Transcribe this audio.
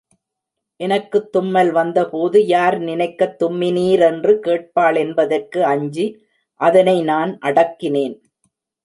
எனக்குத் தும்மல் வந்தபோது யார் நினைக்கத் தும்மினீரென்று கேட்பாளென்பதற்கு அஞ்சி அதனை நான் அடக்கினேன்.